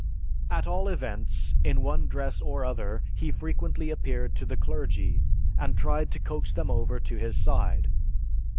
At all events, in one dress or other, he frequently appeared to the clergy, and tried to coax them over to his side.